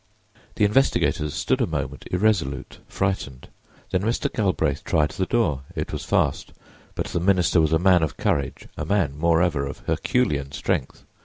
The investigators stood a moment, irresolute, frightened. Then Mr. Galbraith tried the door. It was fast. But the minister was a man of courage, a man, moreover, of Herculean strength.